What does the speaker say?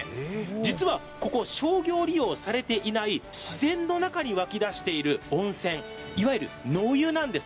実は、ここ商業利用されていない自然の中に湧き出している温泉いわゆる野湯なんです。